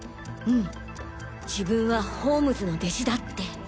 うん自分はホームズの弟子だって！